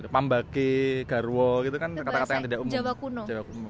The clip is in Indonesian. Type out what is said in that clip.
membaki garwo gitu kan kata kata yang tidak umum